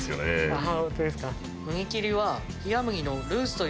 ああ